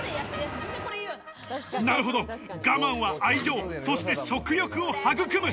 なるほど、我慢は愛情、そして食欲を育む。